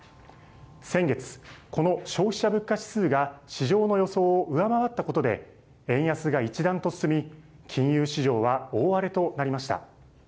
先月、この消費者物価指数が市場の予想を上回ったことで、円安が一段と進み、金融市場は大荒れとなりました。